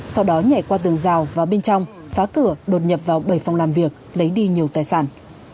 sau đó nhảy qua tường rào vào bên trong phá cửa đột nhập vào bảy phòng làm việc lấy đi nhiều tài sản